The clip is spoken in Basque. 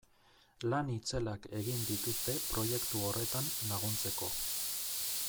Lan itzelak egin dituzte proiektu horretan laguntzeko.